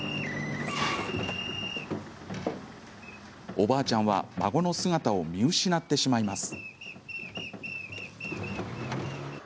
おばあちゃんは孫の姿を見失ってしまいます。